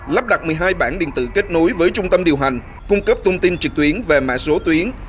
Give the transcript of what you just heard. lắp đặt một mươi hai bảng điện tử kết nối với trung tâm điều hành cung cấp thông tin trực tuyến và mạ số tuyến